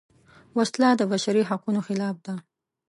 وسله د بشري حقونو خلاف ده